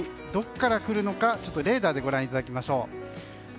どこから降るのかレーダーでご覧いただきましょう。